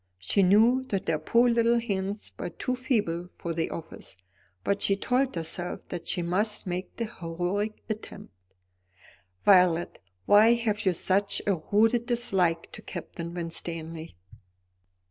She knew that her poor little hands were too feeble for the office; but she told herself that she must make the heroic attempt. "Violet, why have you such a rooted dislike to Captain Winstanley?"